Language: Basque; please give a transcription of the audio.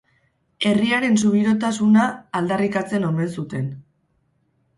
Herriaren subirotasuna aldarrikatzen omen zuten.